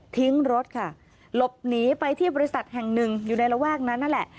ทิ้งรถค่ะหลบหนีไปที่บริษัทแห่งหนึ่งอยู่ในระแวกนั้นนั่นแหละ